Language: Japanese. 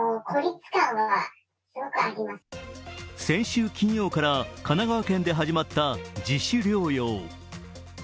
先週金曜日から神奈川県で始まった自主療養。